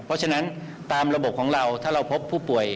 เพราะฉะนั้นตามระบบของเราถ้าเราพบผู้ป่วย